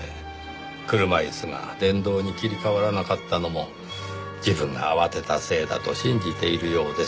車椅子が電動に切り替わらなかったのも自分が慌てたせいだと信じているようですし。